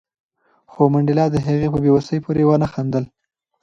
خو منډېلا د هغه په بې وسۍ پورې ونه خندل.